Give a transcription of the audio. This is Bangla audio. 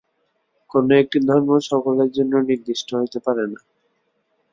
কোন একটি ধর্ম সকলের জন্য নির্দিষ্ট হইতে পারে না।